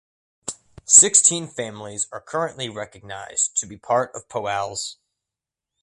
Sixteen families are currently recognized to be part of Poales.